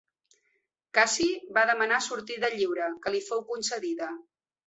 Cassi va demanar sortida lliure, que li fou concedida.